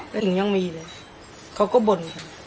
ก็ยังมีเลยเขาก็บ่น